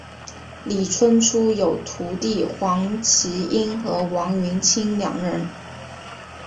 李春初有徒弟黄麒英和王云清两人。